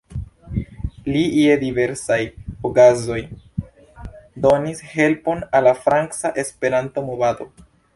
Li je diversaj okazoj donis helpon al la franca Esperanto-movado.